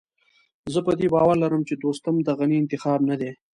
زه په دې باور لرم چې دوستم د غني انتخاب نه دی.